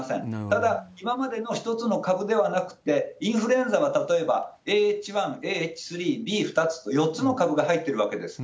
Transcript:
ただ、今までの一つの株ではなくて、インフルエンザは例えばＡＨ１、ＡＨ３、Ｂ２つと、４つの株が入ってるわけです。